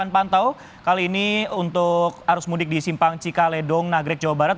pantau kali ini untuk arus mudik di simpang cikaledong nagrek jawa barat